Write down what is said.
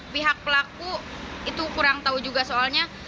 pihak pelaku itu kurang tahu juga soalnya